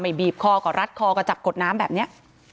บีบคอก็รัดคอก็จับกดน้ำแบบนี้